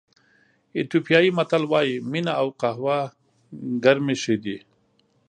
ایتیوپیایي متل وایي مینه او قهوه ګرمې ښې دي.